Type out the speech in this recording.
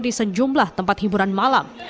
di sejumlah tempat hiburan malam